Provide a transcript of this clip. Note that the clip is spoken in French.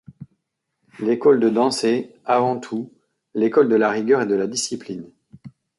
L'école de danse est, avant tout, l'école de la rigueur et de la discipline.